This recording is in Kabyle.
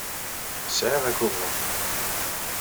Sɛiɣ agummu.